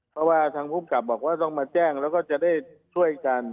เพราะว่าทางภูมิกับบอกว่าต้องมาแจ้งแล้วก็จะได้ช่วยกัน